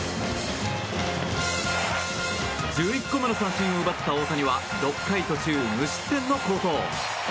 １１個目の三振を奪った大谷は６回途中無失点の好投。